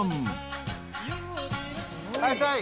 はいさい。